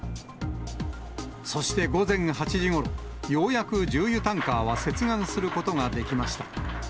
そして午前８時ごろ、ようやく重油タンカーは接岸することができました。